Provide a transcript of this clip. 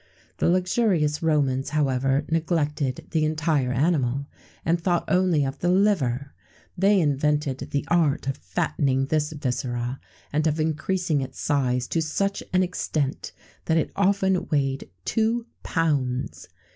The luxurious Romans, however, neglected the entire animal, and thought only of the liver. They invented the art of fattening this viscera, and of increasing its size to such an extent that it often weighed two pounds.